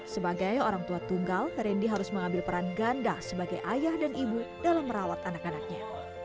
sebagai orang tua tunggal randy harus mengambil peran ganda sebagai ayah dan ibu dalam merawat anak anaknya